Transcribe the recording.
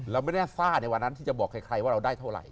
เราไม่ได้ซ่าในวันนั้นที่จะบอกใครว่าเราได้เท่าไห